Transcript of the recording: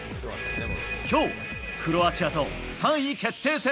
きょう、クロアチアと３位決定戦。